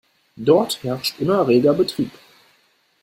Dort herrscht immer reger Betrieb.